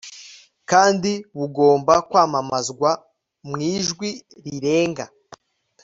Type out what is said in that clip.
kandi bugomba kwamamazwa mu ijwi rirenga